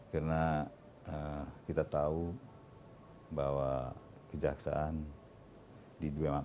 karena kita tahu bahwa kejaksaan di masyarakat itu masih